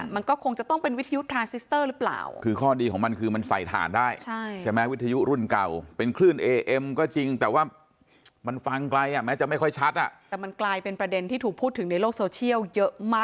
มันก็คงจะต้องเป็นวิทยุทราซิสเตอร์หรือเปล่า